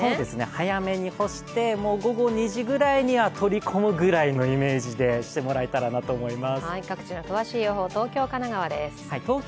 早めに干して、午後２時ぐらいには取り込むぐらいのイメージでしてもらえたらと思います。